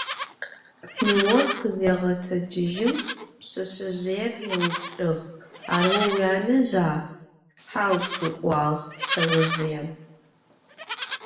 Nıor khızêğetecıjım, pşseşsezjıêr yêupçç'ığ: – Ar vo vuyanezja? – Hau, – ı'uağ şseozjıêm.